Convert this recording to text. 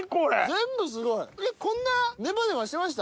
全部すごい！こんなネバネバしてました？